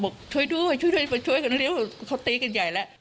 บอกช่วยด้วยช่วยด้วยไปช่วยกันเร็วเขาตีกันใหญ่แล้ว